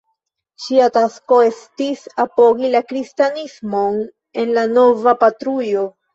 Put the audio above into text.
Ŝia tasko estis apogi la kristanismon en la nova patrujo.